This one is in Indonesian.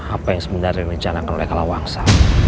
apa yang sebenarnya direncanakan oleh kalawangsa